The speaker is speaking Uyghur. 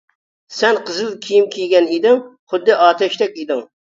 سەن قىزىل كىيىم كىيگەن ئىدىڭ، خۇددى ئاتەشتەك ئىدىڭ.